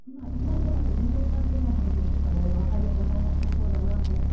でまた全然関係ない話をしてこれわかり終わらなさそうだなと思って。